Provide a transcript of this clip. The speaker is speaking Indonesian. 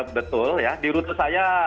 betul ya di rute saya